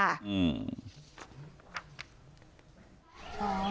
อืม